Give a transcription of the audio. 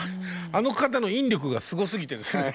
あの方の引力がすごすぎてですね